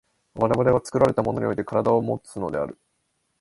我々は作られたものにおいて身体をもつのである。